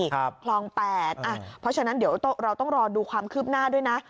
เพราะฉะนั้นเดี๋ยวเราต้องรอดูความคืบหน้าด้วยนะ